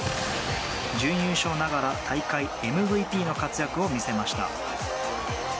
準優勝ながら大会ＭＶＰの活躍を見せました。